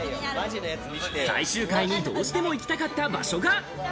最終回にどうしても行きたかった場所が。